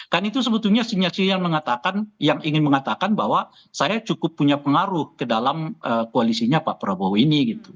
kan itu sebetulnya sinyal sinyal mengatakan yang ingin mengatakan bahwa saya cukup punya pengaruh ke dalam koalisinya pak prabowo ini gitu